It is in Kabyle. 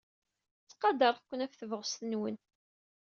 Ttqadareɣ-ken ɣef tebɣest-nwen.